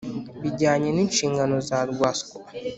Bijyanye n inshingano za rwasco